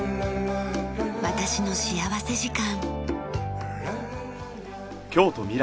『私の幸福時間』。